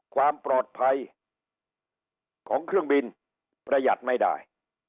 ความปลอดภัยของเครื่องบินประหยัดไม่ได้